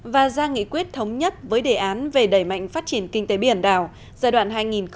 và ra nghị quyết thống nhất với đề án về đẩy mạnh phát triển kinh tế biển đảo giai đoạn hai nghìn một mươi sáu hai nghìn hai mươi